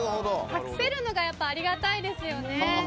隠せるのがありがたいですね。